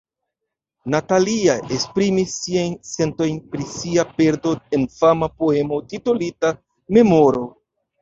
Natalia esprimis siajn sentojn pri sia perdo en fama poemo titolita "Memoro".